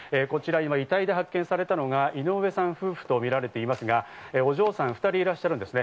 遺体で発見されたのが井上さん夫婦だとみられていますが、お嬢さん２人いらっしゃるんですね。